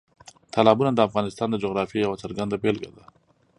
تالابونه د افغانستان د جغرافیې یوه څرګنده بېلګه ده.